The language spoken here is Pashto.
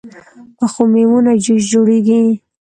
پخو میوو نه جوس جوړېږي